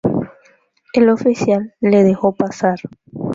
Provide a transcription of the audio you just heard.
El Oficial le dejó pasar.